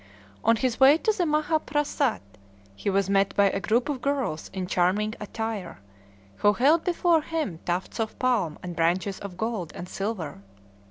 On his way to the Maha Phrasat he was met by a group of girls in charming attire, who held before him tufts of palm and branches of gold and silver.